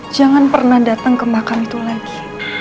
jangan pernah datang ke makam itu lagi